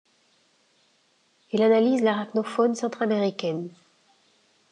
Il analyse l'arachnofaune centraméricaine.